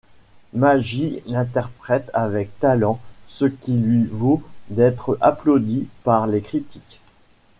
Maggie l’interprète avec talent ce qui lui vaut d’être applaudie par les critiques.